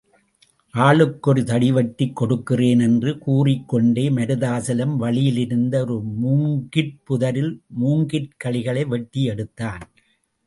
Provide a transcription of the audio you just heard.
ஆளுக்கொரு தடி வெட்டிக் கொடுக்கிறேன் என்று கூறிக்கொண்டே மருதாசலம், வழியிலிருந்த ஒரு மூங்கிற்பு தரில் மூங்கிற்கழிகளை வெட்டி எடுத்தான்.